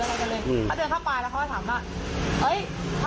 เขาก็มือป้องแผนก็หักเลยค่ะ